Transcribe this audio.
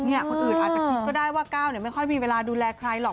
คนอื่นอาจจะคิดก็ได้ว่าก้าวไม่ค่อยมีเวลาดูแลใครหรอก